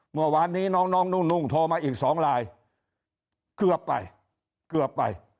เมื่อวานนี้น้องนุ่งโทรมาอีก๒ลายเกือบไปเกือบไป